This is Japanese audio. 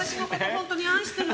本当に愛してる？